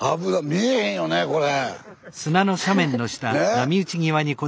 見えへんよねこれ。